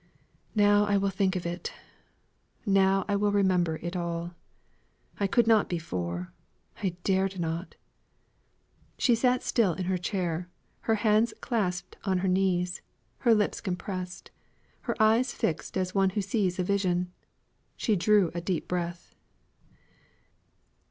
"Now I will think of it now I will remember it all. I could not before I dared not." She sat still in her chair, her hands clasped on her knees, her lips compressed, her eyes fixed as one who sees a vision. She drew a deep breath.